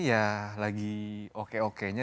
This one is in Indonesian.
ya lagi oke okenya